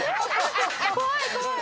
怖い怖い。